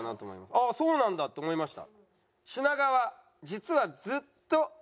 「ああそうなんだ」って思いました。